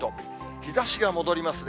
日ざしが戻りますね。